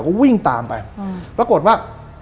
ก็วิ่งตามไปปรากฏว่า